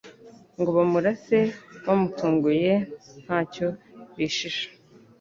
ngo bamurase bamutunguye nta cyo bishisha